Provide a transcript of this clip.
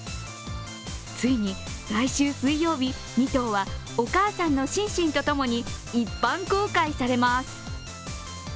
ついに来週水曜日、２頭はお母さんのシンシンと共に一般公開されます。